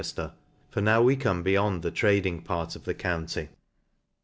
jhr ; for we now come beyond the trading part of the county *.